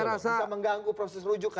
bisa mengganggu proses rujuk